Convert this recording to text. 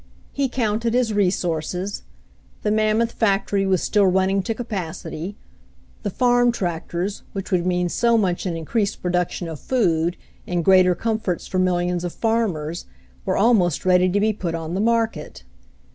He counted his resources. The mammoth fac tory was still running to capacity, the farm tractors, which would mean so much in increased production of food, in greater comforts for mil lions of farmers, were almost ready to be put on the market.